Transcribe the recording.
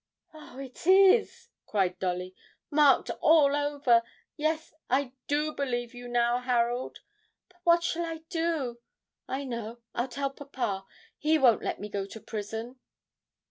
'Oh, it is!' cried Dolly, 'marked all over! Yes, I do believe you now, Harold. But what shall I do? I know I'll tell papa he won't let me go to prison!'